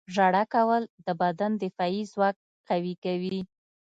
• ژړا کول د بدن دفاعي ځواک قوي کوي.